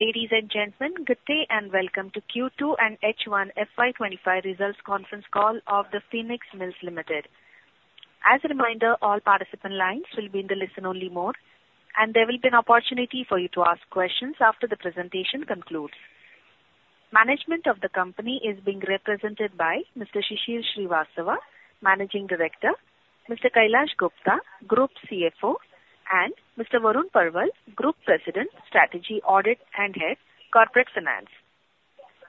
...Ladies and gentlemen, good day, and welcome to Q2 and H1 FY 25 results conference call of The Phoenix Mills Limited. As a reminder, all participant lines will be in the listen only mode, and there will be an opportunity for you to ask questions after the presentation concludes. Management of the company is being represented by Mr. Shishir Shrivastava, Managing Director, Mr. Kailash Gupta, Group CFO, and Mr. Varun Parwal, Group President, Strategy, Audit, and Head, Corporate Finance.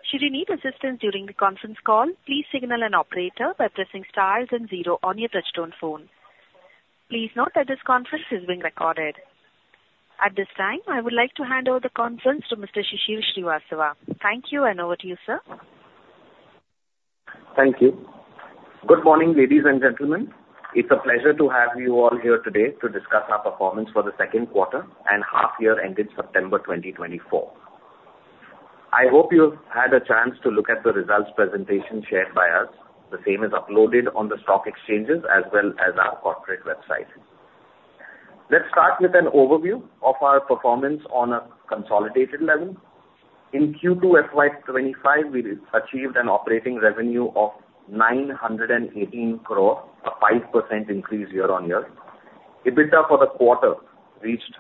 Should you need assistance during the conference call, please signal an operator by pressing stars and zero on your touchtone phone. Please note that this conference is being recorded. At this time, I would like to hand over the conference to Mr. Shishir Shrivastava. Thank you, and over to you, sir. Thank you. Good morning, ladies and gentlemen. It's a pleasure to have you all here today to discuss our performance for the second quarter and half year ended September 2024. I hope you've had a chance to look at the results presentation shared by us. The same is uploaded on the stock exchanges as well as our corporate website. Let's start with an overview of our performance on a consolidated level. In Q2 FY 25, we achieved an operating revenue of 918 crore, a 5% increase year-on-year. EBITDA for the quarter reached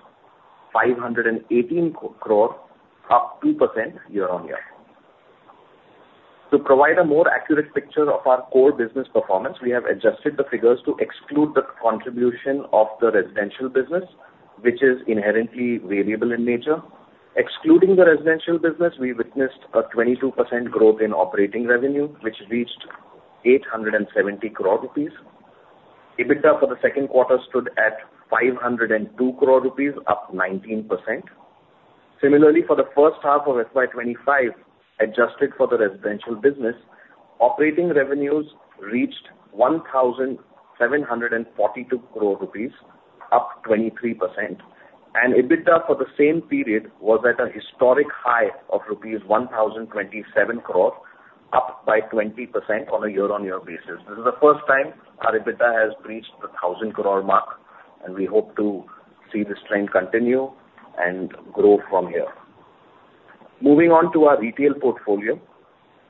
518 crore, up 2% year-on-year. To provide a more accurate picture of our core business performance, we have adjusted the figures to exclude the contribution of the residential business, which is inherently variable in nature. Excluding the residential business, we witnessed a 22% growth in operating revenue, which reached 870 crore rupees. EBITDA for the second quarter stood at 502 crore rupees, up 19%. Similarly, for the first half of FY 2025, adjusted for the residential business, operating revenues reached 1,742 crore rupees, up 23%, and EBITDA for the same period was at a historic high of 1,027 crore rupees, up by 20% on a year-on-year basis. This is the first time our EBITDA has reached the 1,000 crore mark, and we hope to see this trend continue and grow from here. Moving on to our retail portfolio.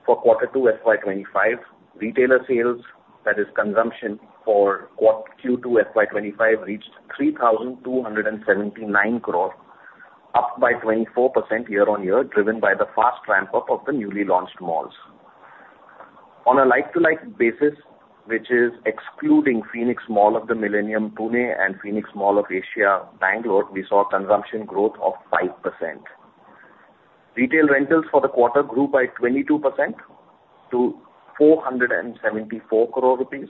For quarter two FY 25, retailer sales, that is consumption for Q2 FY 25, reached 3,279 crore, up 24% year-on-year, driven by the fast ramp-up of the newly launched malls. On a like-for-like basis, which is excluding Phoenix Mall of the Millennium, Pune, and Phoenix Mall of Asia, Bangalore, we saw consumption growth of 5%. Retail rentals for the quarter grew 22% to 474 crore rupees.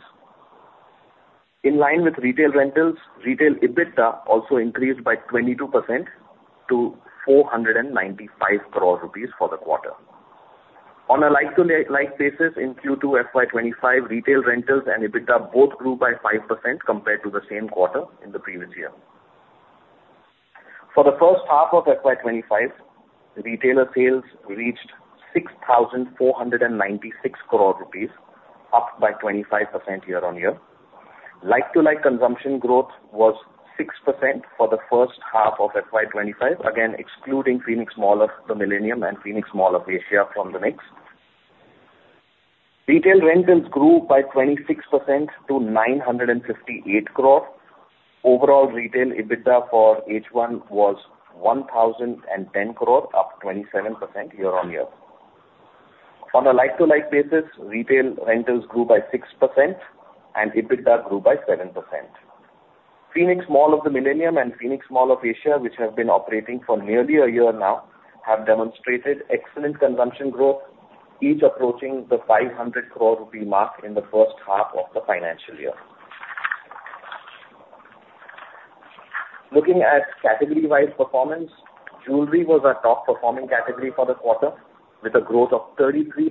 In line with retail rentals, retail EBITDA also increased 22% to 495 crore rupees for the quarter. On a like-for-like basis, in Q2 FY 25, retail rentals and EBITDA both grew 5% compared to the same quarter in the previous year. For the first half of FY 25, retailer sales reached 6,496 crore rupees, up 25% year-on-year. Like-for-like consumption growth was 6% for the first half of FY 2025, again, excluding Phoenix Mall of the Millennium and Phoenix Mall of Asia from the mix. Retail rentals grew by 26% to 958 crore. Overall, retail EBITDA for H1 was 1,010 crore, up 27% year-on-year. On a like-for-like basis, retail rentals grew by 6% and EBITDA grew by 7%. Phoenix Mall of the Millennium and Phoenix Mall of Asia, which have been operating for nearly a year now, have demonstrated excellent consumption growth, each approaching the 500 crore rupee mark in the first half of the financial year. Looking at category-wide performance, jewelry was our top performing category for the quarter, with a growth of 33%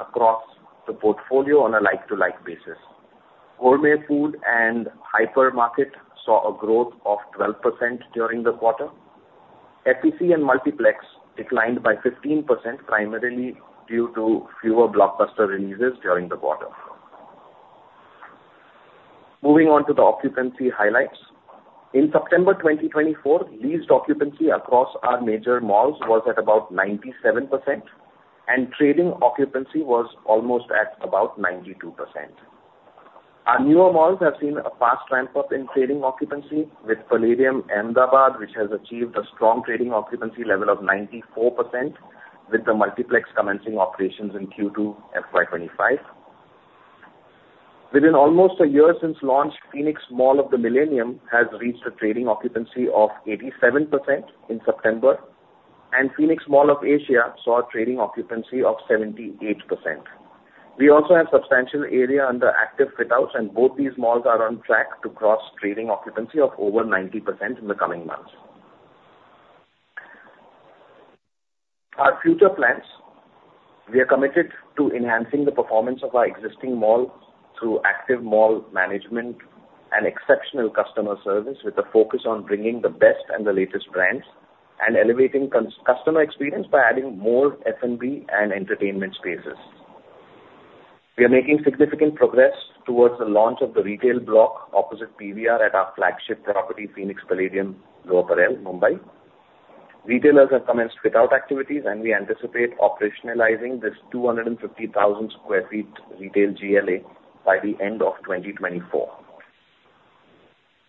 across the portfolio on a like-for-like basis. Gourmet food and hypermarket saw a growth of 12% during the quarter. FEC and multiplex declined by 15%, primarily due to fewer blockbuster releases during the quarter. Moving on to the occupancy highlights. In September 2024, leased occupancy across our major malls was at about 97%, and trading occupancy was almost at about 92%. Our newer malls have seen a fast ramp-up in trading occupancy with Palladium, Ahmedabad, which has achieved a strong trading occupancy level of 94%, with the multiplex commencing operations in Q2 FY 25. Within almost a year since launch, Phoenix Mall of the Millennium has reached a trading occupancy of 87% in September, and Phoenix Mall of Asia saw a trading occupancy of 78%. We also have substantial area under active fit-outs, and both these malls are on track to cross trading occupancy of over 90% in the coming months. Our future plans. We are committed to enhancing the performance of our existing malls through active mall management and exceptional customer service, with a focus on bringing the best and the latest brands and elevating customer experience by adding more F&B and entertainment spaces. We are making significant progress towards the launch of the retail block opposite PVR at our flagship property, Phoenix Palladium, Lower Parel, Mumbai. Retailers have commenced fit-out activities, and we anticipate operationalizing this 250,000 sq ft retail GLA by the end of 2024.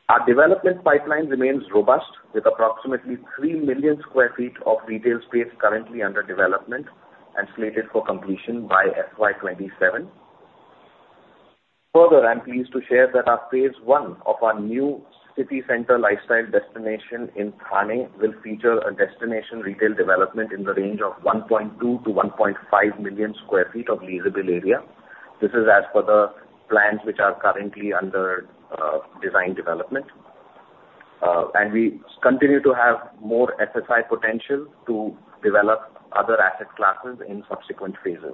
Our development pipeline remains robust, with approximately 3 million sq ft of retail space currently under development and slated for completion by FY 2027. Further, I'm pleased to share that our phase one of our new city center lifestyle destination in Thane will feature a destination retail development in the range of 1.2-1.5 million sq ft of leasable area. This is as per the plans which are currently under design development. And we continue to have more FSI potential to develop other asset classes in subsequent phases.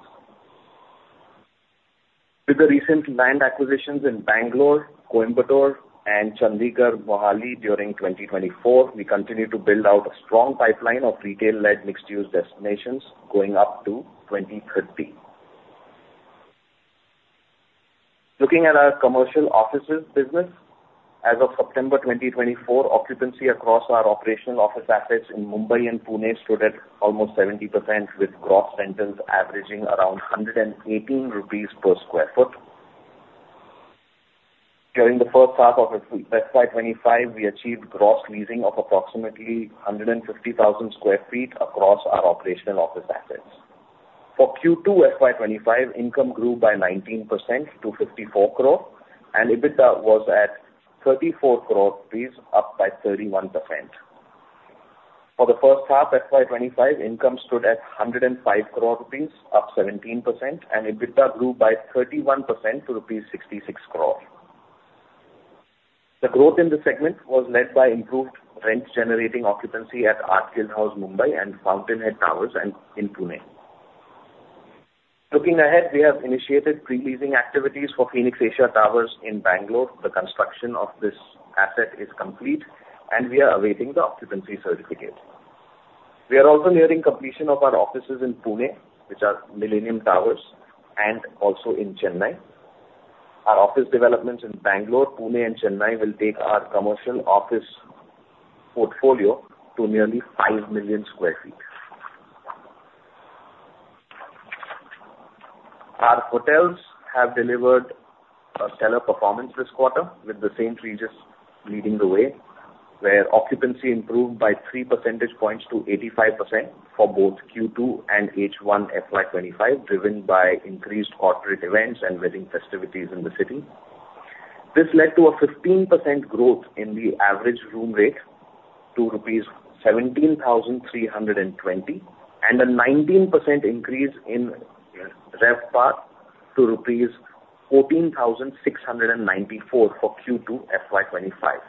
With the recent land acquisitions in Bangalore, Coimbatore and Chandigarh, Mohali during 2024, we continue to build out a strong pipeline of retail-led, mixed-use destinations going up to 2030. Looking at our commercial offices business, as of September 2024, occupancy across our operational office assets in Mumbai and Pune stood at almost 70%, with gross rentals averaging around 118 rupees per sq ft. During the first half of FY 2025, we achieved gross leasing of approximately 150,000 sq ft across our operational office assets. For Q2 FY 2025, income grew by 19% to 54 crore, and EBITDA was at 34 crore rupees, up by 31%. For the first half, FY 2025, income stood at 105 crore rupees, up 17%, and EBITDA grew by 31% to rupees 66 crore. The growth in this segment was led by improved rent-generating occupancy at Art Guild House, Mumbai, and Fountainhead Towers in Pune. Looking ahead, we have initiated pre-leasing activities for Phoenix Asia Towers in Bangalore. The construction of this asset is complete, and we are awaiting the occupancy certificate. We are also nearing completion of our offices in Pune, which are Millennium Towers, and also in Chennai. Our office developments in Bangalore, Pune and Chennai will take our commercial office portfolio to nearly five million sq ft. Our hotels have delivered a stellar performance this quarter, with the St. Regis leading the way, where occupancy improved by three percentage points to 85% for both Q2 and H1 FY 2025, driven by increased corporate events and wedding festivities in the city. This led to a 15% growth in the average room rate to rupees 17,320, and a 19% increase in RevPAR to rupees 14,694 for Q2 FY 2025.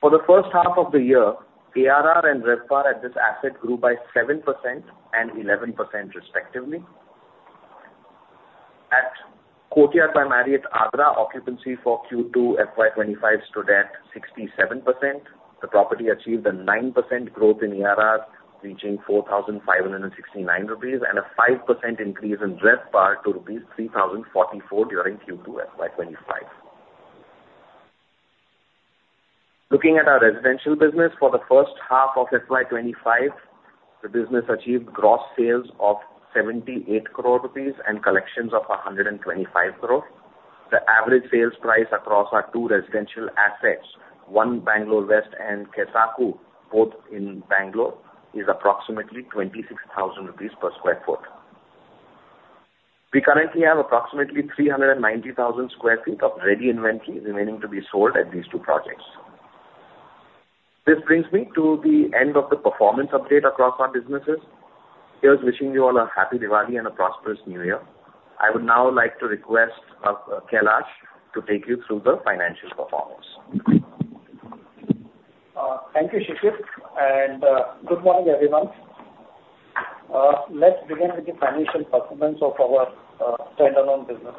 For the first half of the year, ARR and RevPAR at this asset grew by 7% and 11%, respectively. At Courtyard by Marriott, Agra, occupancy for Q2 FY 2025 stood at 67%. The property achieved a 9% growth in ARR, reaching 4,569 rupees, and a 5% increase in RevPAR to rupees 3,044 during Q2 FY 25. Looking at our residential business, for the first half of FY 25, the business achieved gross sales of 78 crore rupees and collections of 125 crore INR. The average sales price across our two residential assets, One Bangalore West and Kessaku, both in Bangalore, is approximately 26,000 rupees per sq ft. We currently have approximately 390,000 sq ft of ready inventory remaining to be sold at these two projects. This brings me to the end of the performance update across our businesses. Here's wishing you all a happy Diwali and a prosperous new year. I would now like to request Kailash to take you through the financial performance. Thank you, Shishir, and good morning, everyone. Let's begin with the financial performance of our standalone business.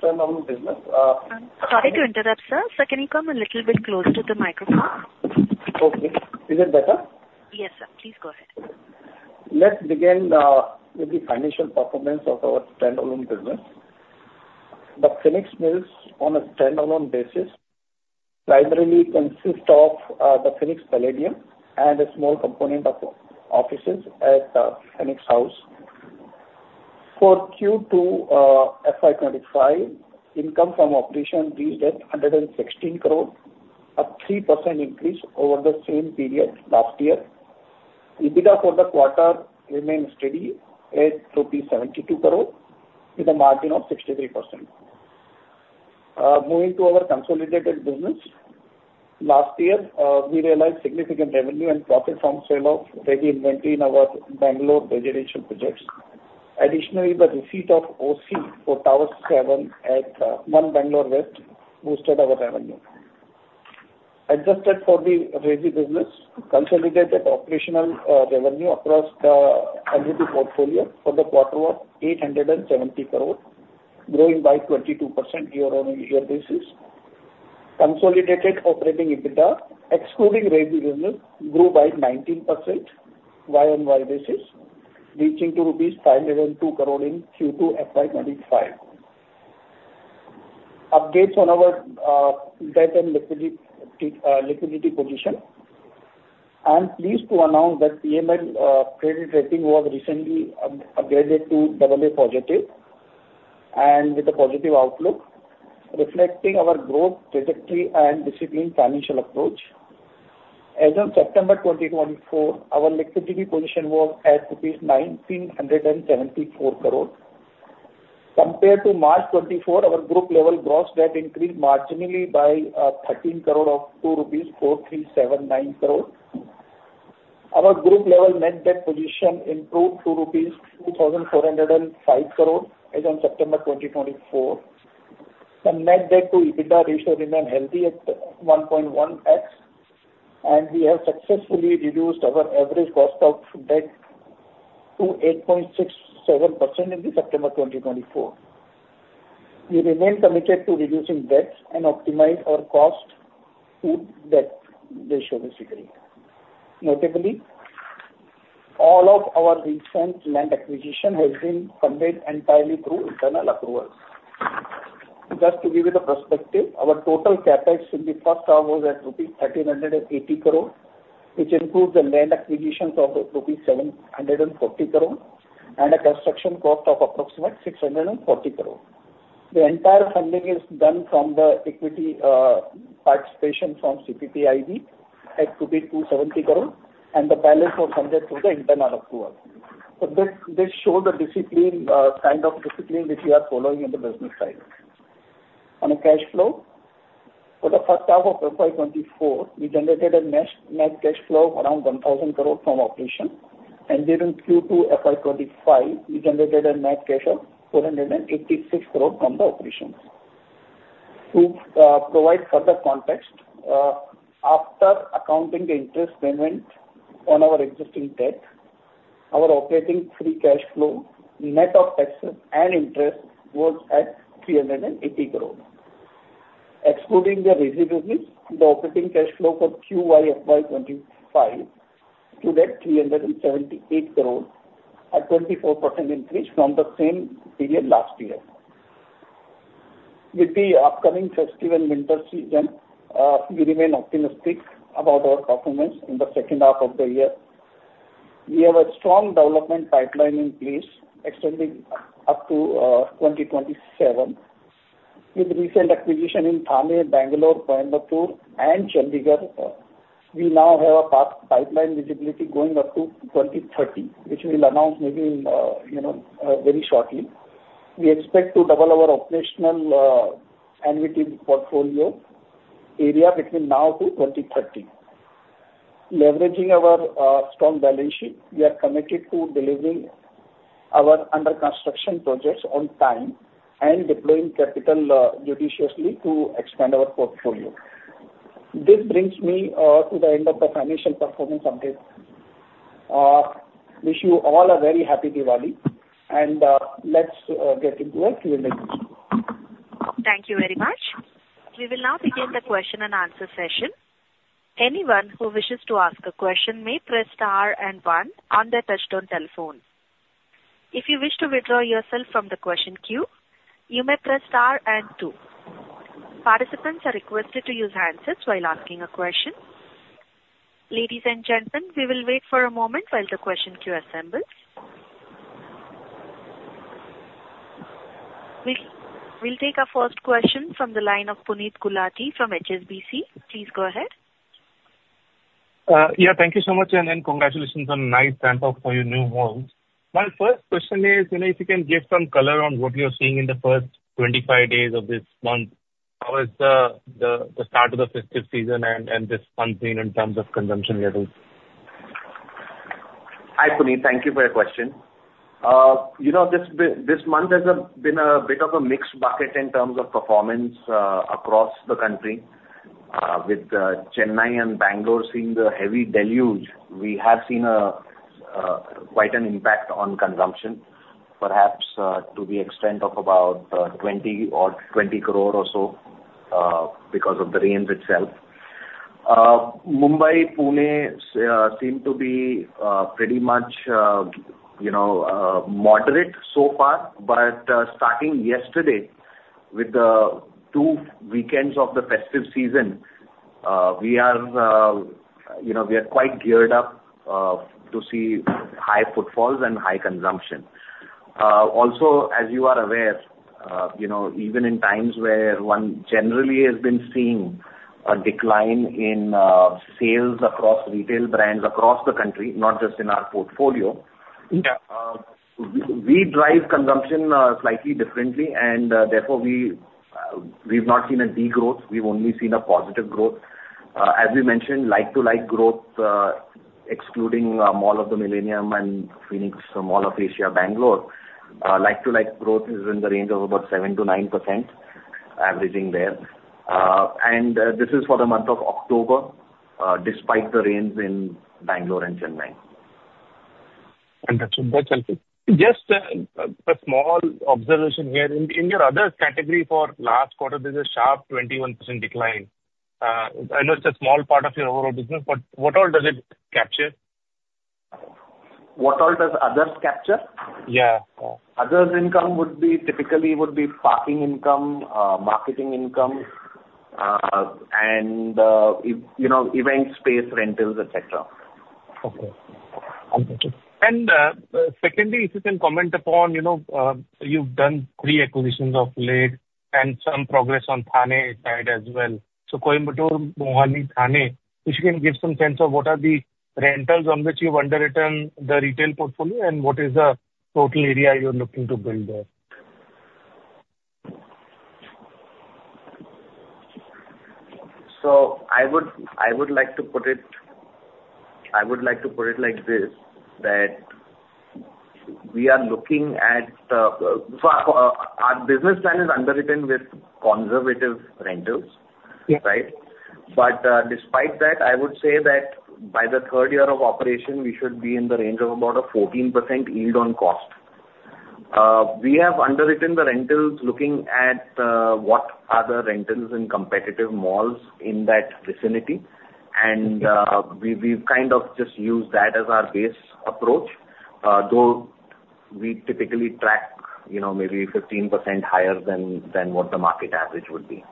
Sorry to interrupt, sir. Sir, can you come a little bit close to the microphone? Okay. Is it better? Yes, sir. Please go ahead. Let's begin with the financial performance of our standalone business. The Phoenix Mills, on a standalone basis, primarily consist of the Phoenix Palladium and a small component of offices at Phoenix House. For Q2, FY 2025, income from operations reached 116 crore, a 3% increase over the same period last year. EBITDA for the quarter remained steady at 72 crore rupees, with a margin of 63%. Moving to our consolidated business, last year, we realized significant revenue and profit from sale of ready inventory in our Bangalore residential projects. Additionally, the receipt of OC for Tower Seven at One Bangalore West boosted our revenue. Adjusted for the ready business, consolidated operational revenue across the annuity portfolio for the quarter was 870 crore, growing by 22% year-on-year basis. Consolidated operating EBITDA, excluding revenue, grew by 19% Y on Y basis, reaching to rupees 502 crore in Q2 FY 2025. Updates on our debt and liquidity position. I'm pleased to announce that our credit rating was recently upgraded to double A positive, and with a positive outlook, reflecting our growth trajectory and disciplined financial approach. As of September 2024, our liquidity position was at rupees 1,974 crore. Compared to March 2024, our group level gross debt increased marginally by 13 crore to 2,437 crore. Our group level net debt position improved to rupees 2,405 crore as on September 2024. The net debt to EBITDA ratio remained healthy at 1.1x, and we have successfully reduced our average cost of debt to 8.67% in the September 2024. We remain committed to reducing debt and optimize our cost of debt this year. Notably, all of our recent land acquisition has been funded entirely through internal approvals. Just to give you the perspective, our total CapEx in the first half was at rupees 1,380 crore, which includes the land acquisitions of rupees 740 crore and a construction cost of approximately 640 crore. The entire funding is done from the equity, participation from CPPIB at rupees 270 crore, and the balance was funded through the internal approval. So this, this show the discipline, kind of discipline which we are following in the business side. On a cash flow, for the first half of FY 2024, we generated a net cash flow of around 1,000 crore from operation, and during Q2 FY 2025, we generated a net cash of 486 crore from the operation. To provide further context, after accounting the interest payment on our existing debt, our operating free cash flow, net of taxes and interest, was at 380 crore. Excluding the revenue business, the operating cash flow for Q2 FY 2025 stood at 378 crore, a 24% increase from the same period last year. With the upcoming festive and winter season, we remain optimistic about our performance in the second half of the year. We have a strong development pipeline in place extending up to 2027. With recent acquisition in Thane, Bangalore, Coimbatore and Chandigarh, we now have a that pipeline visibility going up to 2030, which we'll announce maybe in, you know, very shortly. We expect to double our operational annuity portfolio area between now to 2030. Leveraging our strong balance sheet, we are committed to delivering our under construction projects on time and deploying capital judiciously to expand our portfolio. This brings me to the end of the financial performance update. Wish you all a very happy Diwali, and let's get into a Q&A. Thank you very much. We will now begin the question and answer session. Anyone who wishes to ask a question may press star and one on their touchtone telephone. If you wish to withdraw yourself from the question queue, you may press star and two. Participants are requested to use handsets while asking a question. Ladies and gentlemen, we will wait for a moment while the question queue assembles. We'll take our first question from the line of Puneet Gulati from HSBC. Please go ahead. Yeah, thank you so much, and then congratulations on nice ramp up for your new roles. My first question is, you know, if you can give some color on what you're seeing in the first 25 days of this month. How is the start of the festive season and this month in terms of consumption levels? Hi, Puneet. Thank you for your question. You know, this month has been a bit of a mixed bucket in terms of performance across the country. With Chennai and Bangalore seeing the heavy deluge, we have seen quite an impact on consumption, perhaps to the extent of about 20 or 20 crore or so because of the rains itself. Mumbai, Pune seem to be pretty much you know moderate so far. But starting yesterday, with the two weekends of the festive season, we are you know we are quite geared up to see high footfalls and high consumption. Also, as you are aware, you know, even in times where one generally has been seeing a decline in sales across retail brands across the country, not just in our portfolio- Yeah. We drive consumption slightly differently, and therefore we've not seen a degrowth, we've only seen a positive growth. As we mentioned, like-for-like growth excluding Phoenix Mall of the Millennium and Phoenix Mall of Asia, Bangalore, like-for-like growth is in the range of about 7%-9%, averaging there. This is for the month of October despite the rains in Bangalore and Chennai. ... And that should, that's helpful. Just a small observation here. In your other category for last quarter, there's a sharp 21% decline. I know it's a small part of your overall business, but what all does it capture? What all does others capture? Yeah. Other income would typically be parking income, marketing income, and, you know, event space rentals, et cetera. Okay. Understood, and secondly, if you can comment upon, you know, you've done three acquisitions of late and some progress on Thane side as well, so Coimbatore, Mohali, Thane, if you can give some sense of what are the rentals on which you've underwritten the retail portfolio, and what is the total area you're looking to build there? I would like to put it like this, that we are looking at our business plan is underwritten with conservative rentals. Yeah. Right? But, despite that, I would say that by the third year of operation, we should be in the range of about a 14% yield on cost. We have underwritten the rentals looking at what are the rentals in competitive malls in that vicinity, and we've kind of just used that as our base approach, though we typically track, you know, maybe 15% higher than what the market average would be.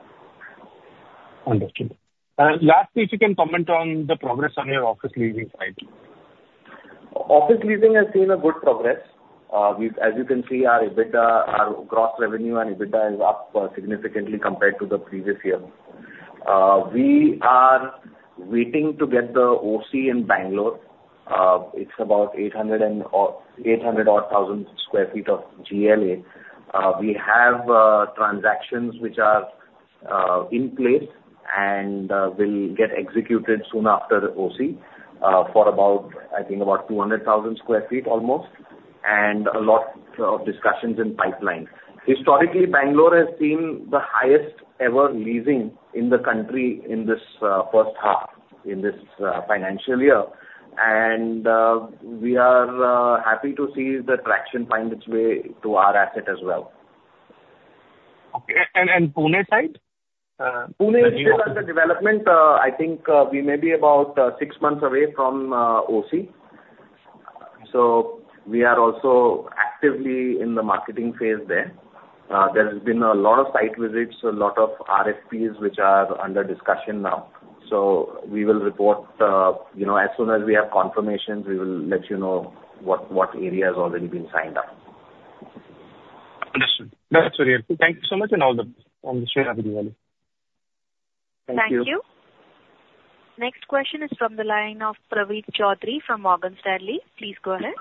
Understood. And lastly, if you can comment on the progress on your office leasing side. Office leasing has seen a good progress. We've, as you can see, our EBITDA, our gross revenue and EBITDA is up, significantly compared to the previous year. We are waiting to get the OC in Bangalore. It's about 800 and odd, 800 odd thousand sq ft of GLA. We have, transactions which are, in place and, will get executed soon after OC, for about, I think about 200,000 sq ft almost, and a lot of discussions in pipeline. Historically, Bangalore has seen the highest ever leasing in the country in this, first half, in this, financial year, and, we are, happy to see the traction find its way to our asset as well. Okay. And Pune side? Pune, under development, I think, we may be about, six months away from, OC. So we are also actively in the marketing phase there. There has been a lot of site visits, a lot of RFPs, which are under discussion now. So we will report, you know, as soon as we have confirmations, we will let you know what area has already been signed up. Understood. That's very helpful. Thank you so much, and all the best on the share value. Thank you. Thank you. Next question is from the line of Praveen Choudhary from Morgan Stanley. Please go ahead.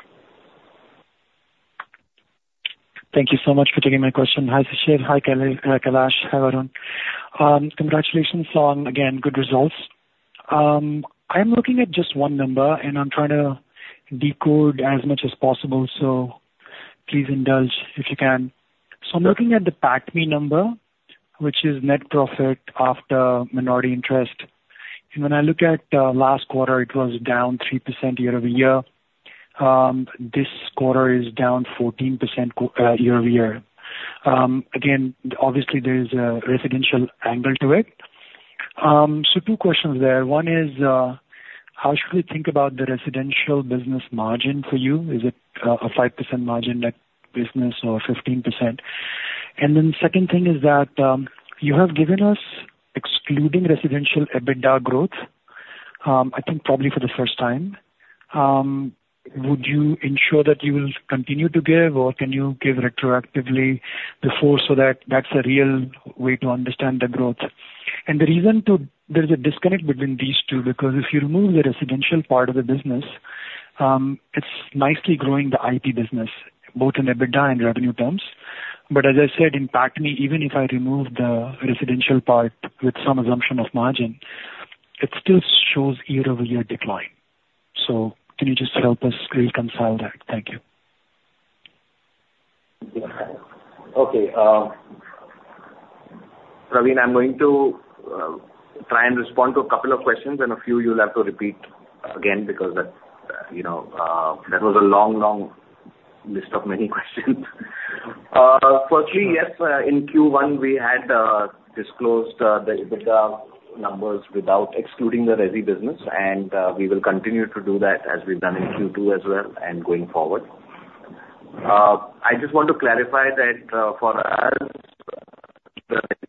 Thank you so much for taking my question. Hi, Shishir. Hi, Kailash. Hi, Varun. Congratulations on, again, good results. I'm looking at just one number, and I'm trying to decode as much as possible, so please indulge if you can, so I'm looking at the PAT number, which is net profit after minority interest. And when I look at last quarter, it was down 3% year over year. This quarter is down 14% year-over-year. Again, obviously there is a residential angle to it. So two questions there. One is, how should we think about the residential business margin for you? Is it a 5% margin like business or 15%? And then second thing is that, you have given us, excluding residential EBITDA growth, I think probably for the first time. Would you ensure that you will continue to give, or can you give retroactively before so that, that's a real way to understand the growth? And the reason to... There's a disconnect between these two, because if you remove the residential part of the business, it's nicely growing the IT business, both in EBITDA and revenue terms. But as I said, in the mall, even if I remove the residential part with some assumption of margin, it still shows year-over-year decline. So can you just help us reconcile that? Thank you. Okay, Praveen, I'm going to try and respond to a couple of questions and a few you'll have to repeat again, because that's, you know, that was a long, long list of many questions. Firstly, yes, in Q1, we had disclosed the EBITDA numbers without excluding the resi business, and we will continue to do that as we've done in Q2 as well and going forward. I just want to clarify that, for us, 390,000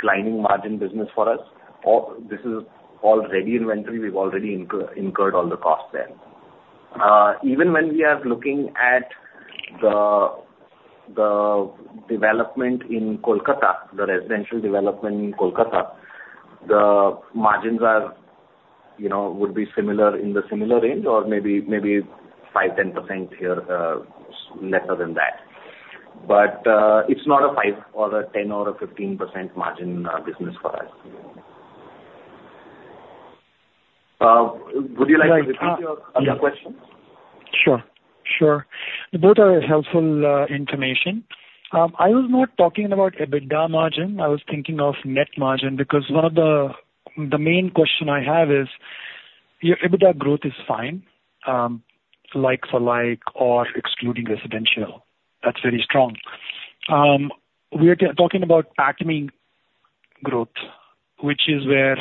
sq ft in Bangalore. Our margin is 3%-50%, so that it's not a declining margin business for us, or this is already inventory, we've already incurred all the costs there. Even when we are looking at the development in Kolkata, the residential development in Kolkata, the margins are, you know, would be similar in a similar range or maybe 5-10% here, less than that, but it's not a 5% or a 10% or a 15% margin business for us. Would you like to repeat your question? Sure, sure. Both are helpful information. I was not talking about EBITDA margin. I was thinking of net margin, because one of the main questions I have is, your EBITDA growth is fine, like for like, or excluding residential, that's very strong. We are talking about PATMI growth, which is where,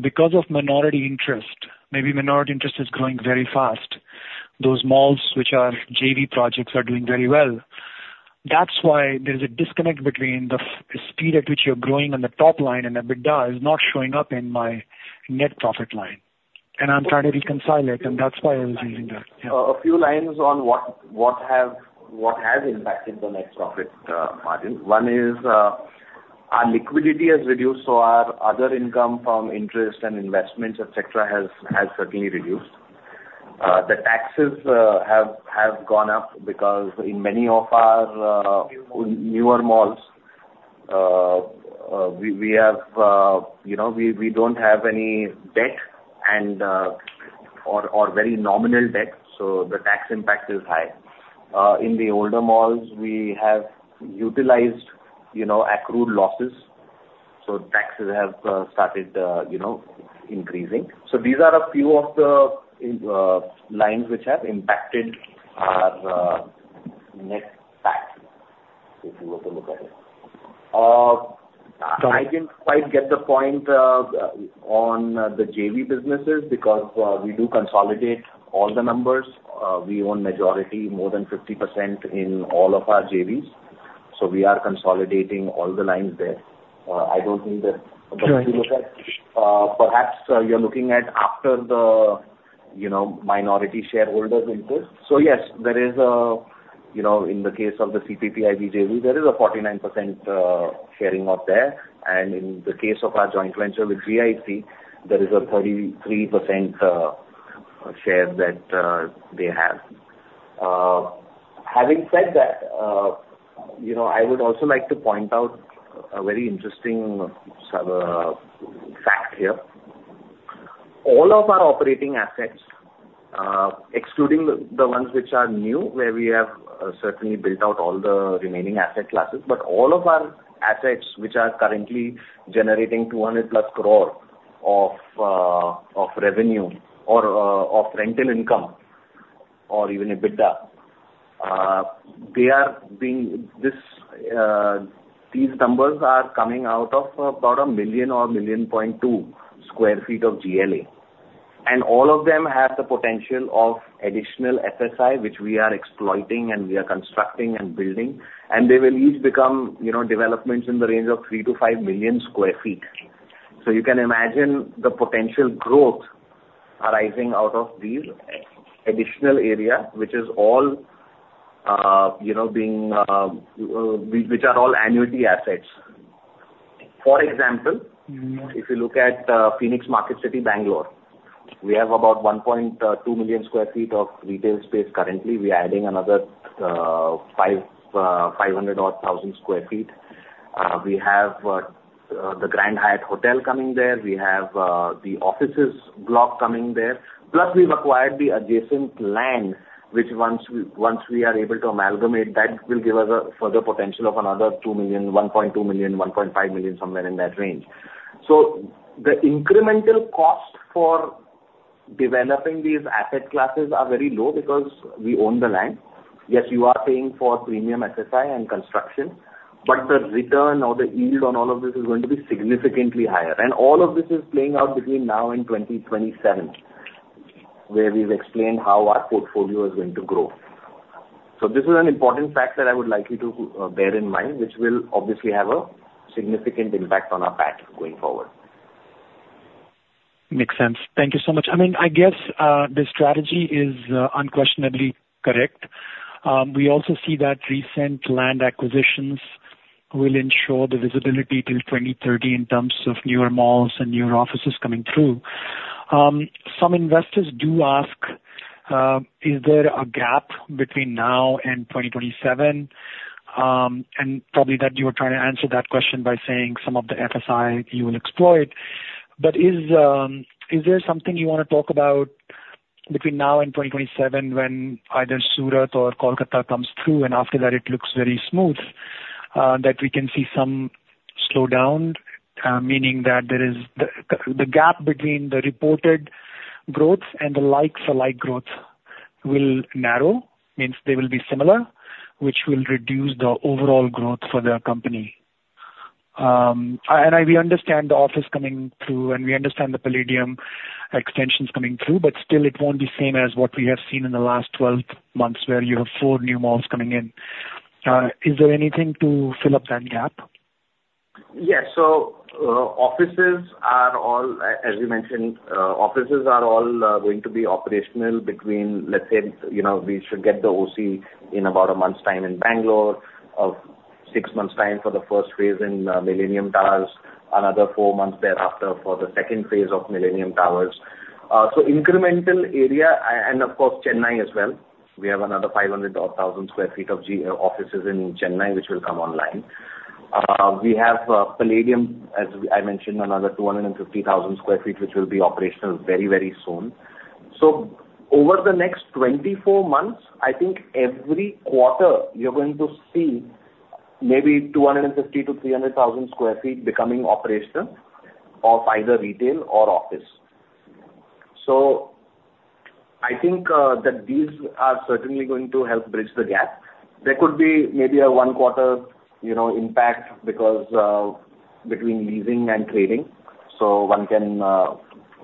because of minority interest, maybe minority interest is growing very fast. Those malls which are JV projects are doing very well. That's why there's a disconnect between the speed at which you're growing on the top line, and EBITDA is not showing up in my net profit line. And I'm trying to reconcile it, and that's why I was using that. Yeah. A few lines on what has impacted the net profit margin. One is, our liquidity has reduced, so our other income from interest and investments, et cetera, has certainly reduced. The taxes have gone up because in many of our newer malls, we have, you know, we don't have any debt and, or very nominal debt, so the tax impact is high. In the older malls, we have utilized, you know, accrued losses, so taxes have started, you know, increasing. So these are a few of the lines which have impacted our net profit, if you were to look at it. I didn't quite get the point on the JV businesses, because we do consolidate all the numbers. We own majority, more than 50% in all of our JVs, so we are consolidating all the lines there. I don't think that- Right. Perhaps you're looking at after the, you know, minority shareholders' interest. So yes, there is a, you know, in the case of the CPPIB JV, there is a 49% sharing of there. And in the case of our joint venture with GIC, there is a 33% share that they have. Having said that, you know, I would also like to point out a very interesting fact here. All of our operating assets, excluding the ones which are new, where we have certainly built out all the remaining asset classes, but all of our assets, which are currently generating 200+ crore of revenue or of rental income or even EBITDA, these numbers are coming out of about 1 million or 1.2 million sq ft of GLA. All of them have the potential of additional FSI, which we are exploiting and we are constructing and building, and they will each become, you know, developments in the range of three to five million sq ft. So you can imagine the potential growth arising out of these additional area, which is all, you know, being, which are all annuity assets. For example- Mm-hmm. If you look at Phoenix MarketCity, Bangalore, we have about one point two million sq ft of retail space currently. We're adding another five hundred odd thousand sq ft. We have the Grand Hyatt Hotel coming there. We have the offices block coming there. Plus, we've acquired the adjacent land, which once we are able to amalgamate, that will give us a further potential of another two million, one point two million, one point five million, somewhere in that range. So the incremental cost for developing these asset classes are very low because we own the land. Yes, you are paying for premium FSI and construction, but the return or the yield on all of this is going to be significantly higher. All of this is playing out between now and 2027, where we've explained how our portfolio is going to grow. This is an important factor I would like you to bear in mind, which will obviously have a significant impact on our PAT going forward. Makes sense. Thank you so much. I mean, I guess, the strategy is unquestionably correct. We also see that recent land acquisitions will ensure the visibility till 2030 in terms of newer malls and newer offices coming through. Some investors do ask, "Is there a gap between now and 2027?" and probably that you are trying to answer that question by saying some of the FSI you will explore it. But is there something you want to talk about between now and 2027, when either Surat or Kolkata comes through, and after that it looks very smooth, that we can see some slowdown? Meaning that there is the gap between the reported growth and the like for like growth will narrow, means they will be similar, which will reduce the overall growth for the company. We understand the office coming through, and we understand the Palladium extensions coming through, but still it won't be same as what we have seen in the last twelve months, where you have four new malls coming in. Is there anything to fill up that gap? Yes. So, offices are all, as we mentioned, going to be operational between, let's say, you know, we should get the OC in about a month's time in Bangalore or six months' time for the first phase in Millennium Towers, another four months thereafter for the second phase of Millennium Towers. So incremental area, and of course, Chennai as well, we have another five hundred thousand sq ft of offices in Chennai, which will come online. We have Palladium, as I mentioned, another two hundred and fifty thousand sq ft, which will be operational very, very soon. So over the next 24 months, I think every quarter you're going to see maybe two hundred and fifty to three hundred thousand sq ft becoming operational of either retail or office. So I think that these are certainly going to help bridge the gap. There could be maybe a one quarter, you know, impact because between leasing and trading, so one can,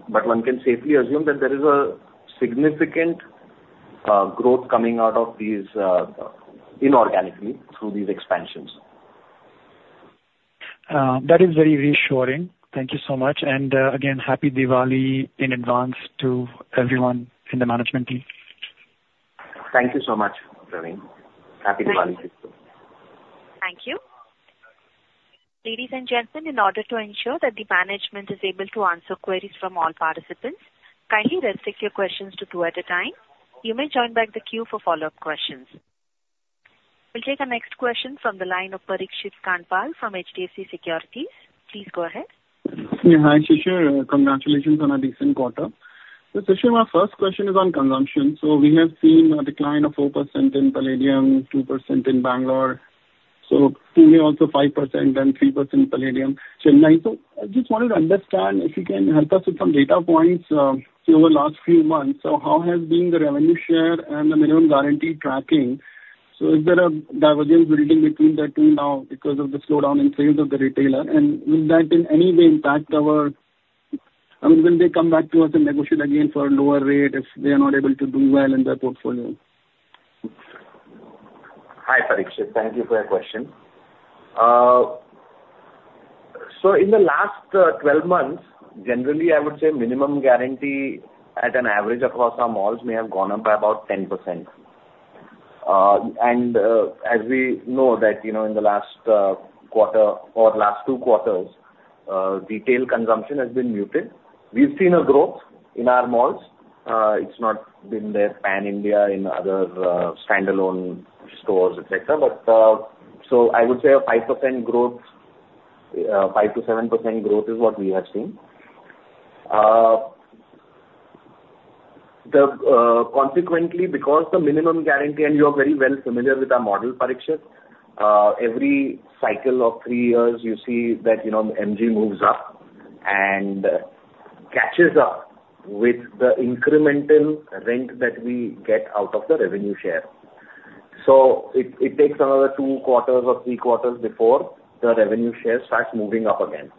but one can safely assume that there is a significant growth coming out of these inorganically through these expansions. That is very reassuring. Thank you so much. And, again, happy Diwali in advance to everyone in the management team. Thank you so much, Praveen. Happy Diwali to you! Thank you. Ladies and gentlemen, in order to ensure that the management is able to answer queries from all participants, kindly restrict your questions to two at a time. You may join back the queue for follow-up questions. We'll take the next question from the line of Parikshit Kandpal from HDFC Securities. Please go ahead. Yeah, hi, Shishir. Congratulations on a decent quarter. Shishir, my first question is on consumption. We have seen a decline of 4% in Palladium, 2% in Bangalore, so Pune also 5% and 3% in Palladium, Chennai. I just wanted to understand if you can help us with some data points over the last few months, so how has been the revenue share and the minimum guarantee tracking? Is there a divergence building between the two now because of the slowdown in sales of the retailer? And would that in any way impact our... I mean, will they come back to us and negotiate again for a lower rate if they are not able to do well in their portfolio? Hi, Parikshit. Thank you for your question. So in the last twelve months, generally, I would say minimum guarantee at an average across our malls may have gone up by about 10%. And as we know that, you know, in the last quarter or last two quarters, retail consumption has been muted. We've seen a growth in our malls. It's not been there pan-India in other standalone stores, et cetera. But so I would say a 5% growth, 5%-7% growth is what we have seen. Consequently, because the minimum guarantee, and you are very well familiar with our model, Parikshit, every cycle of three years, you see that, you know, MG moves up and catches up with the incremental rent that we get out of the revenue share. So it takes another two quarters or three quarters before the revenue share starts moving up again.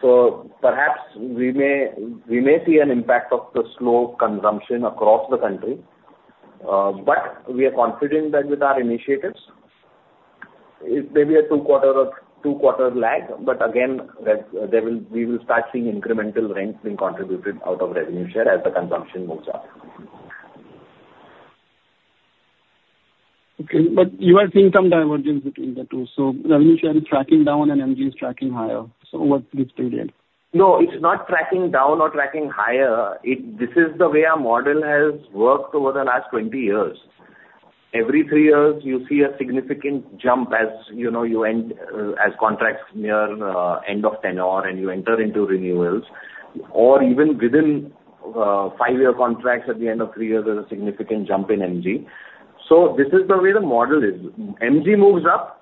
So perhaps we may see an impact of the slow consumption across the country, but we are confident that with our initiatives, it may be a two quarter lag, but again, we will start seeing incremental rents being contributed out of revenue share as the consumption moves up. Okay, but you are seeing some divergence between the two, so revenue share is tracking down and MG is tracking higher, so over this period? No, it's not tracking down or tracking higher. It. This is the way our model has worked over the last 20 years. Every three years, you see a significant jump, as you know, you end, as contracts near end of tenure, and you enter into renewals, or even within five-year contracts, at the end of three years, there's a significant jump in MG. So this is the way the model is. MG moves up,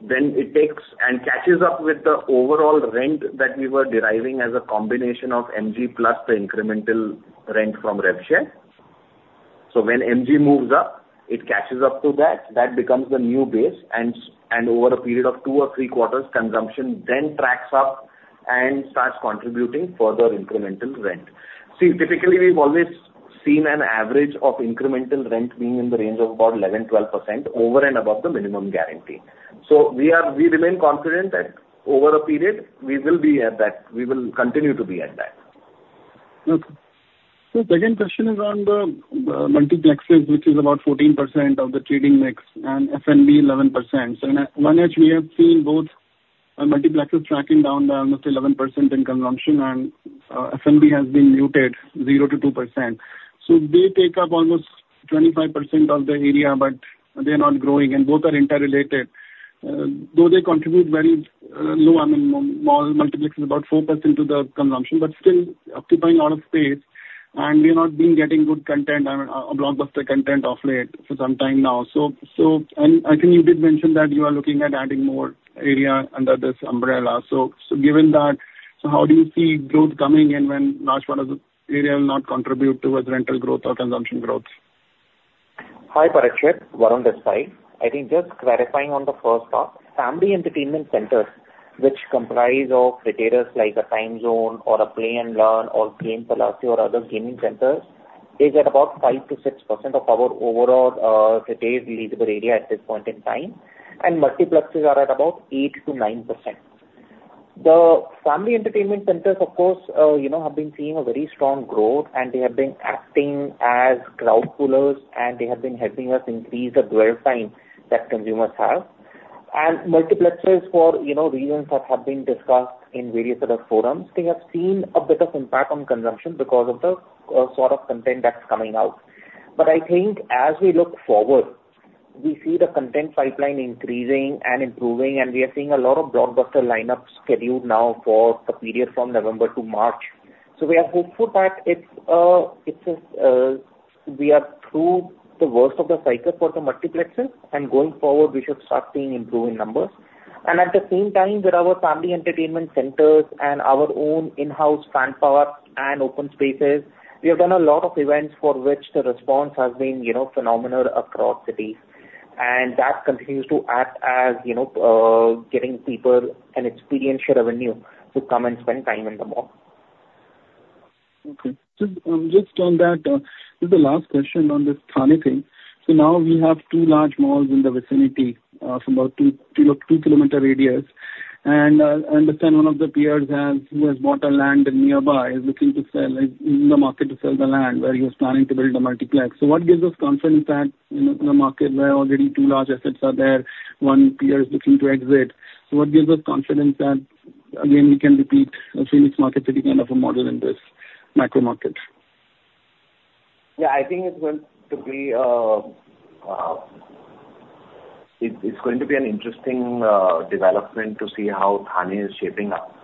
then it takes and catches up with the overall rent that we were deriving as a combination of MG plus the incremental rent from rev share. So when MG moves up, it catches up to that. That becomes the new base, and over a period of two or three quarters, consumption then tracks up and starts contributing further incremental rent. See, typically, we've always seen an average of incremental rent being in the range of about 11%-12% over and above the minimum guarantee. So we remain confident that over a period, we will be at that, we will continue to be at that. Okay. So second question is on the multiplexes, which is about 14% of the tenant mix, and F&B 11%. So on one end, we have seen both multiplexes tracking down by almost 11% in consumption, and F&B has been muted 0% to 2%. So they take up almost 25% of the area, but they're not growing, and both are interrelated. Though they contribute very low, I mean, mall multiplex is about 4% to the consumption, but still occupying a lot of space, and we've not been getting good content and a blockbuster content of late, for some time now. So, and I think you did mention that you are looking at adding more area under this umbrella. So, given that, how do you see growth coming in when large part of the area will not contribute towards rental growth or consumption growth? Hi, Parikshit, Varun Parwal. I think just clarifying on the first part, family entertainment centers, which comprise of retailers like a Timezone or a Play 'N' Learn or Game Palacio or other gaming centers, is at about 5-6% of our overall retail leasable area at this point in time, and multiplexes are at about 8-9%. The family entertainment centers, of course, you know, have been seeing a very strong growth, and they have been acting as crowd pullers, and they have been helping us increase the dwell time that consumers have.... And multiplexes for, you know, reasons that have been discussed in various other forums, they have seen a bit of impact on consumption because of the sort of content that's coming out. But I think as we look forward, we see the content pipeline increasing and improving, and we are seeing a lot of blockbuster lineups scheduled now for the period from November to March. So we are hopeful that it's, it's, we are through the worst of the cycle for the multiplexes, and going forward, we should start seeing improving numbers. And at the same time, with our family entertainment centers and our own in-house Fan Park and open spaces, we have done a lot of events for which the response has been, you know, phenomenal across cities. That continues to act as, you know, getting people an experiential revenue to come and spend time in the mall. Okay. So, just on that, this is the last question on this Thane thing. So now we have two large malls in the vicinity, from about two-kilometer radius. And, I understand one of the peers has, who has bought a land nearby, is looking to sell, in the market to sell the land where he was planning to build a multiplex. So what gives us confidence that, you know, in a market where already two large assets are there, one peer is looking to exit, so what gives us confidence that, again, we can repeat Phoenix MarketCity kind of a model in this micro market? Yeah, I think it's going to be an interesting development to see how Thane is shaping up.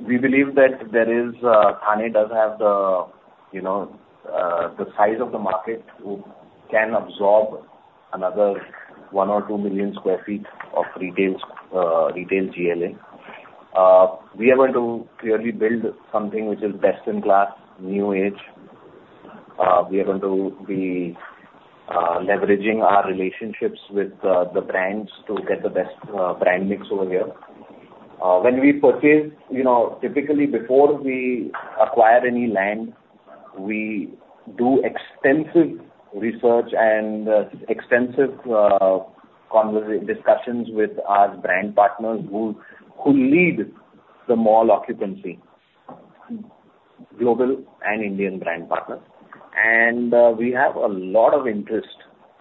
We believe that there is, Thane does have the, you know, the size of the market to, can absorb another one or two million sq ft of retail, retail GLA. We are going to clearly build something which is best-in-class, new age. We are going to be leveraging our relationships with the brands to get the best brand mix over here. When we purchase, you know, typically before we acquire any land, we do extensive research and extensive conversations with our brand partners who lead the mall occupancy, global and Indian brand partners. We have a lot of interest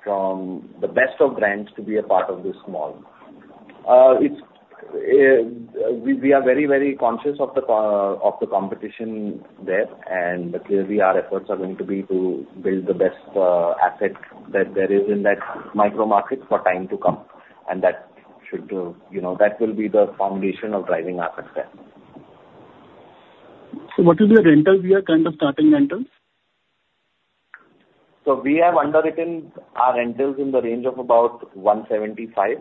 from the best of brands to be a part of this mall. We are very, very conscious of the competition there, and clearly our efforts are going to be to build the best asset that there is in that micro market for time to come, and that should, you know, that will be the foundation of driving our success. What is your rental year, kind of, starting rentals? We have underwritten our rentals in the range of about 175,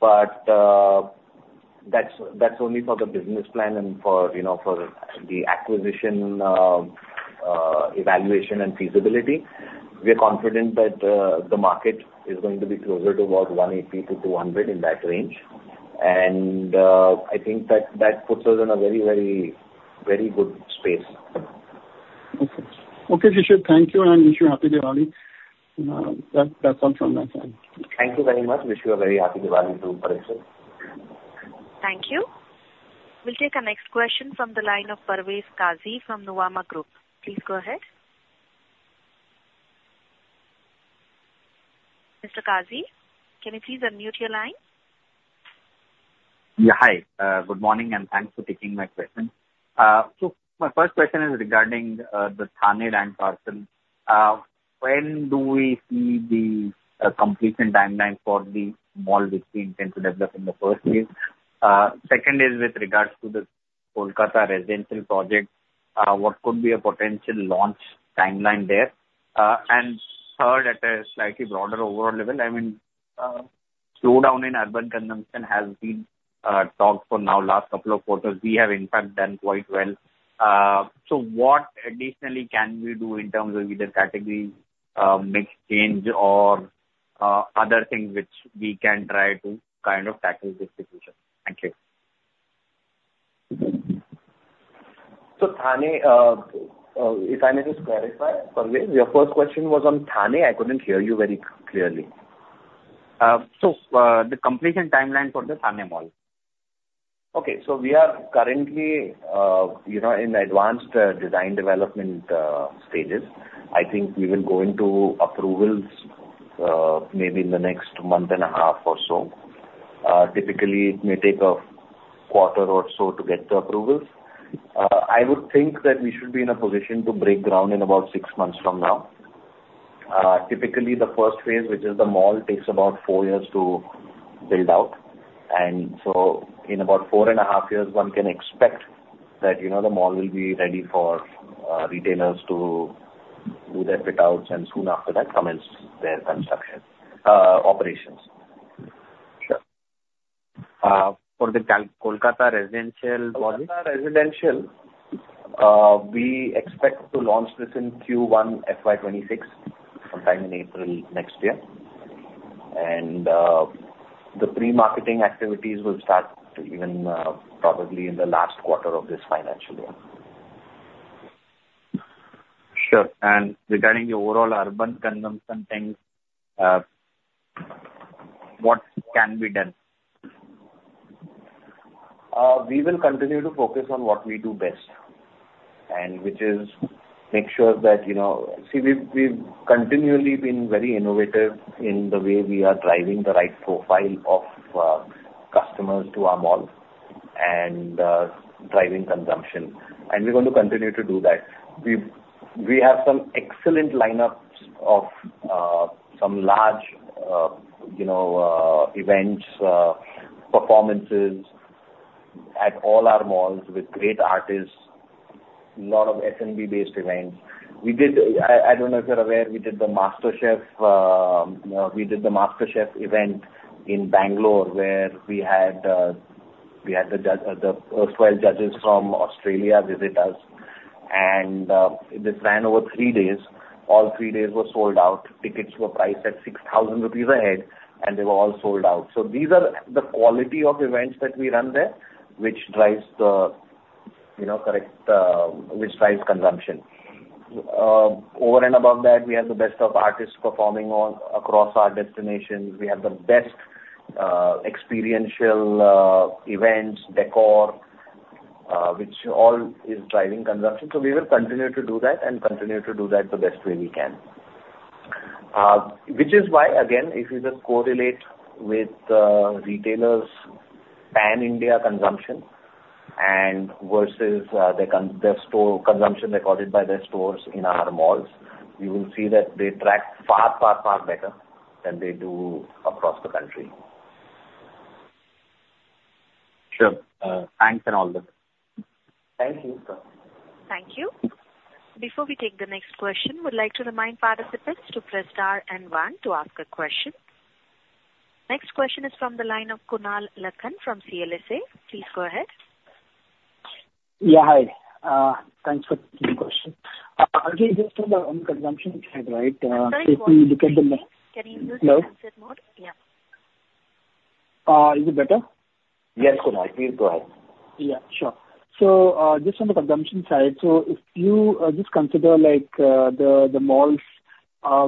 but that's only for the business plan and for, you know, for the acquisition, evaluation and feasibility. We're confident that the market is going to be closer to about 180-200, in that range. I think that puts us in a very, very, very good space. Okay. Okay, Shishir, thank you, and wish you a happy Diwali. That's all from my side. Thank you very much. Wish you a very happy Diwali, too, Parvez. Thank you. We'll take our next question from the line of Parvez Qazi from Nuvama Group. Please go ahead. Mr. Qazi, can you please unmute your line? Yeah, hi. Good morning, and thanks for taking my question. So my first question is regarding the Thane land parcel. When do we see the completion timeline for the mall, which we intend to develop in the first phase? Second is with regards to the Kolkata residential project, what could be a potential launch timeline there? And third, at a slightly broader overall level, I mean, slowdown in urban consumption has been talked for now last couple of quarters. We have, in fact, done quite well. So what additionally can we do in terms of either category mix change or other things which we can try to kind of tackle this situation? Thank you. Thane, if I may just clarify, Parvez, your first question was on Thane? I couldn't hear you very clearly. So, the completion timeline for the Thane Mall? Okay, so we are currently, you know, in advanced design development stages. I think we will go into approvals, maybe in the next month and a half or so. Typically, it may take a quarter or so to get the approvals. I would think that we should be in a position to break ground in about six months from now. Typically, the first phase, which is the mall, takes about four years to build out, and so in about four and a half years, one can expect that, you know, the mall will be ready for retailers to do their fit outs and soon after that, commence their construction operations. Sure. For the Kolkata residential project? Kolkata residential, we expect to launch this in Q1 FY 26, sometime in April next year. And, the pre-marketing activities will start even, probably in the last quarter of this financial year. Sure. And regarding the overall urban consumption thing, what can be done?... we will continue to focus on what we do best, and which is make sure that, you know, see, we've continually been very innovative in the way we are driving the right profile of customers to our malls, and driving consumption. And we're going to continue to do that. We have some excellent lineups of some large, you know, events, performances at all our malls with great artists, a lot of F&B-based events. We did, I don't know if you're aware, we did the MasterChef, you know, we did the MasterChef event in Bangalore, where we had the judge, the 12 judges from Australia visit us, and this ran over three days. All three days were sold out. Tickets were priced at 6,000 rupees a head, and they were all sold out. So these are the quality of events that we run there, which drives the, you know, which drives consumption. Over and above that, we have the best of artists performing on across our destinations. We have the best experiential events, decor, which all is driving consumption. So we will continue to do that and continue to do that the best way we can. Which is why, again, if you just correlate with retailers' pan-India consumption and versus the store consumption recorded by their stores in our malls, you will see that they track far, far, far better than they do across the country. Sure. Thanks and all good. Thank you. Thank you. Before we take the next question, we'd like to remind participants to press star and one to ask a question. Next question is from the line of Kunal Lakhan from CLSA. Please go ahead. Yeah, hi. Thanks for taking the question. Just on the consumption side, right? If you look at the- Sorry, Kunal, can you use the answer mode? Yeah. Is it better? Yes, Kunal, please go ahead. Yeah, sure. So, just on the consumption side, so if you just consider like the malls,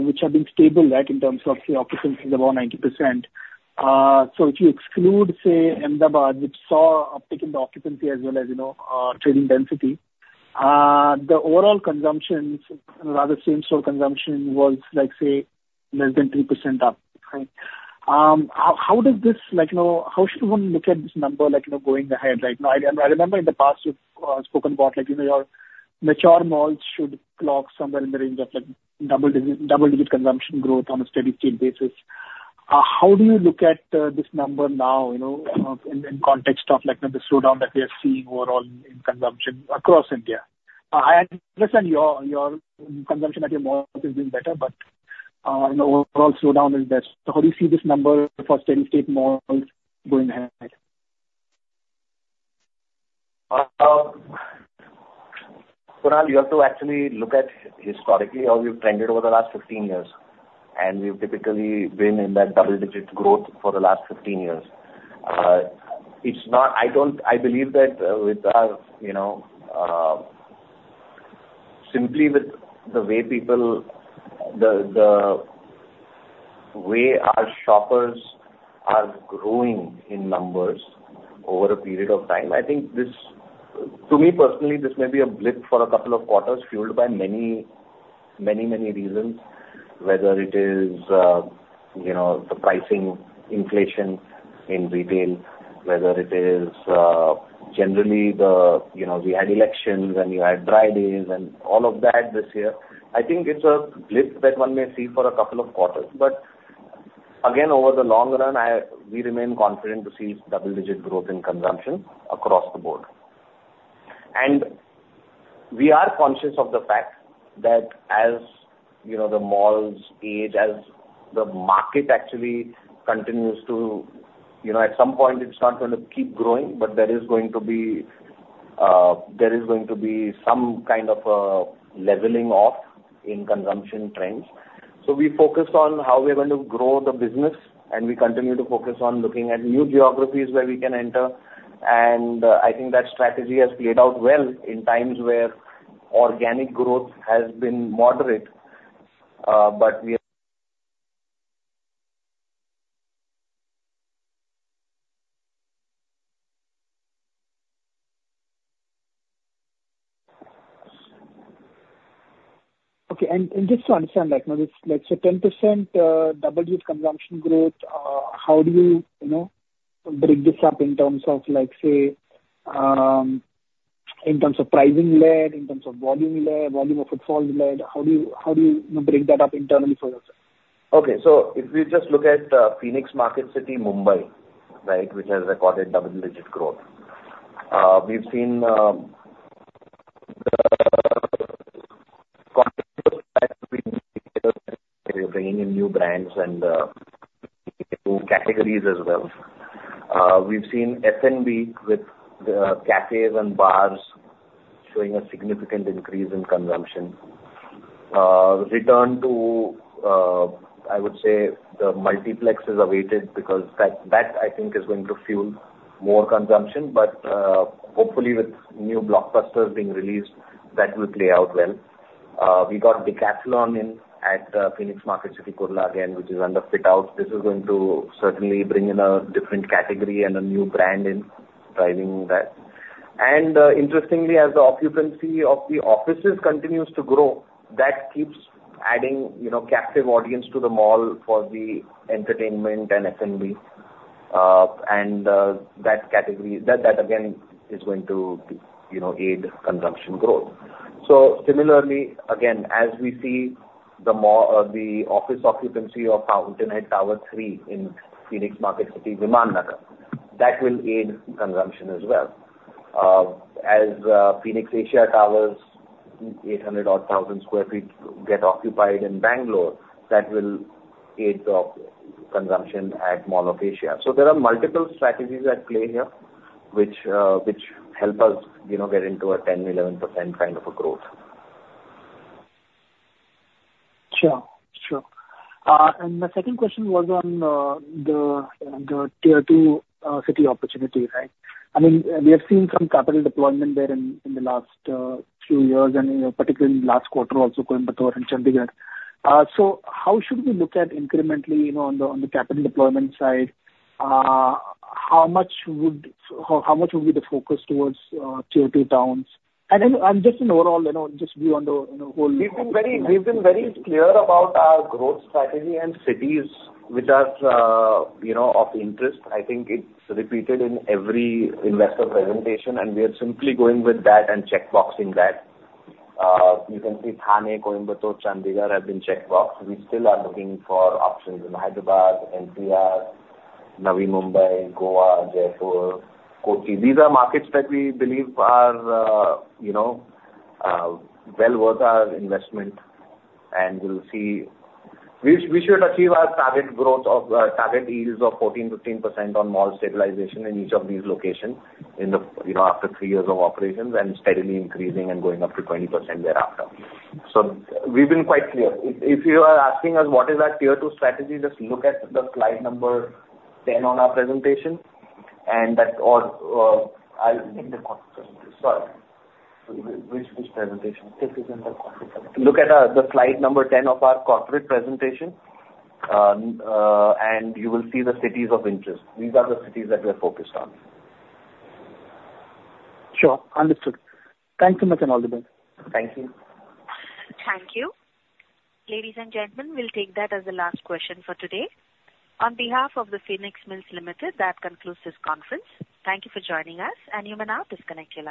which have been stable, like, in terms of, say, occupancy is above 90%. So if you exclude, say, Ahmedabad, which saw uptick in the occupancy as well as, you know, trading density, the overall consumptions, rather same-store consumption, was like, say, less than 3% up. Right? How does this like, you know, how should one look at this number like, you know, going ahead, right? Now, I remember in the past, you've spoken about, like, you know, your mature malls should clock somewhere in the range of, like, double-digit consumption growth on a steady-state basis. How do you look at this number now, you know, in context of, like, the slowdown that we are seeing overall in consumption across India? I understand your consumption at your malls is doing better, but, you know, overall slowdown is there. So how do you see this number for steady-state malls going ahead? Kunal, you have to actually look at historically how we've trended over the last 15 years, and we've typically been in that double-digit growth for the last 15 years. I believe that, with our, you know, simply with the way people, the way our shoppers are growing in numbers over a period of time, I think this, to me, personally, this may be a blip for a couple of quarters, fueled by many reasons. Whether it is, you know, the pricing inflation in retail, whether it is, generally, you know, we had elections and you had dry days and all of that this year. I think it's a blip that one may see for a couple of quarters, but again, over the long run, I, we remain confident to see double-digit growth in consumption across the board. And we are conscious of the fact that, as, you know, the malls age, as the market actually continues to, you know, at some point it's not going to keep growing, but there is going to be some kind of a leveling off in consumption trends. So we focus on how we're going to grow the business, and we continue to focus on looking at new geographies where we can enter. And, I think that strategy has played out well in times where organic growth has been moderate, but we are- Okay, and just to understand, like, now, this, let's say, 10%, double-digit consumption growth, how do you, you know, break this up in terms of, like, say, in terms of pricing led, in terms of volume led, volume of footfall led, how do you, you know, break that up internally for yourself? Okay. If we just look at Phoenix MarketCity, Mumbai, right, which has recorded double-digit growth. We've seen the bringing in new brands and new categories as well. We've seen F&B with cafes and bars showing a significant increase in consumption. Return to the multiplexes are weighted because that, that I think is going to fuel more consumption. But hopefully with new blockbusters being released, that will play out well. We got Decathlon in at the Phoenix MarketCity, Kurla again, which is under fit out. This is going to certainly bring in a different category and a new brand in driving that. Interestingly, as the occupancy of the offices continues to grow, that keeps adding, you know, captive audience to the mall for the entertainment and F&B. And that category, that again, is going to, you know, aid consumption growth. So similarly, again, as we see the mall, the office occupancy of Fountainhead Tower Three in Phoenix MarketCity, Viman Nagar, that will aid consumption as well. As Phoenix Asia Towers, 800-odd thousand sq ft get occupied in Bangalore, that will aid the consumption at Mall of Asia. So there are multiple strategies at play here, which help us, you know, get into a 10-11% kind of a growth. Sure, sure. And my second question was on the Tier 2 city opportunity, right? I mean, we have seen some capital deployment there in the last few years, and, you know, particularly in last quarter, also, Coimbatore and Chandigarh. So how should we look at incrementally, you know, on the capital deployment side? How much would be the focus towards Tier 2 towns? And just in overall, you know, just view on the whole- We've been very clear about our growth strategy and cities which are, you know, of interest. I think it's repeated in every investor presentation, and we are simply going with that and checkboxing that. You can see Thane, Coimbatore, Chandigarh have been checked boxed. We still are looking for options in Hyderabad, NCR, Navi Mumbai, Goa, Jaipur, Kochi. These are markets that we believe are, you know, well worth our investment, and we'll see. We should achieve our target growth of target yields of 14-15% on mall stabilization in each of these locations, you know, after three years of operations, and steadily increasing and going up to 20% thereafter. So we've been quite clear. If you are asking us what is our Tier 2 strategy, just look at the Slide number 10 on our presentation, and I'll- In the corporate presentation. Sorry. Which, which presentation? This is in the corporate presentation. Look at the Slide number 10 of our corporate presentation, and you will see the cities of interest. These are the cities that we're focused on. Sure. Understood. Thank you so much, and all the best. Thank you. Thank you. Ladies and gentlemen, we'll take that as the last question for today. On behalf of The Phoenix Mills Limited, that concludes this conference. Thank you for joining us, and you may now disconnect your lines.